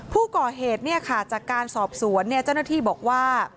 ผู้ก่อเหตุจากการสอบสวนเจ้าหน้าที่บอกว่า